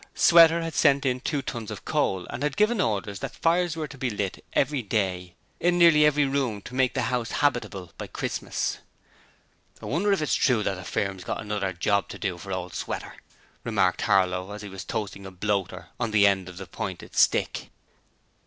Sweater had sent in two tons of coal and had given orders that fires were to be lit every day in nearly every room to make the house habitable by Christmas. 'I wonder if it's true as the firm's got another job to do for old Sweater?' remarked Harlow as he was toasting a bloater on the end of the pointed stick.